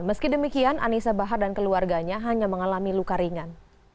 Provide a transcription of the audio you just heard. meski demikian anissa bahar dan keluarganya hanya mengalami luka ringan